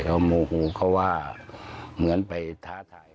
เขาโมโหเขาว่าเหมือนไปท้าทาย